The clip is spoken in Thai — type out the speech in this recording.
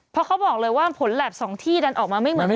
เพราะเขาบอกเลยว่าผลแล็บ๒ที่ดันออกมาไม่เหมือนกัน